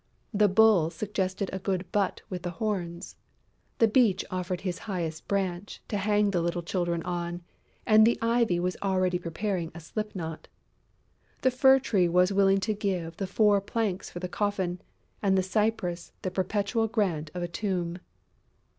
The Bull suggested a good butt with the horns; the Beech offered his highest branch to hang the little Children on; and the Ivy was already preparing a slip knot! The Fir tree was willing to give the four planks for the coffin and the Cypress the perpetual grant of a tomb.